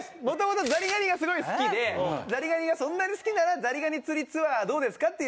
もともとザリガニがすごい好きでザリガニがそんなに好きならザリガニ釣りツアーどうですか？